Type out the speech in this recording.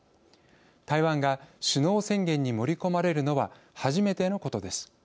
台湾が首脳宣言に盛り込まれるのは初めてのことです。